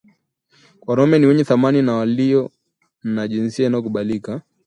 wanaume ni wenye thamani na walio na jinsia inayokubalika